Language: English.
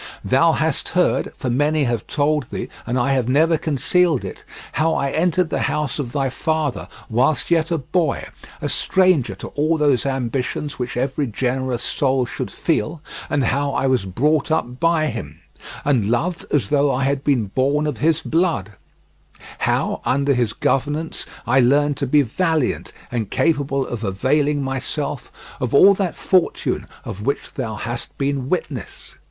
Thou hast heard, for many have told thee, and I have never concealed it, how I entered the house of thy father whilst yet a boy—a stranger to all those ambitions which every generous soul should feel—and how I was brought up by him, and loved as though I had been born of his blood; how under his governance I learned to be valiant and capable of availing myself of all that fortune, of which thou hast been witness.